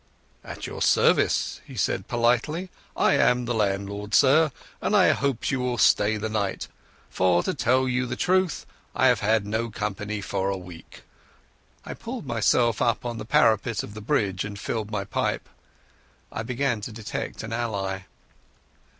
"At your service," he said politely. "I am the landlord, sir, and I hope you will stay the night, for to tell you the truth I have had no company for a week." I pulled myself up on the parapet of the bridge and filled my pipe. I began to detect an ally.